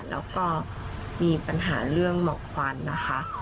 แล้วก็มีปัญหาเรื่องหมอกควันนะคะ